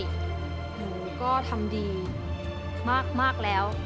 หนูก็ทำดีมากแล้ว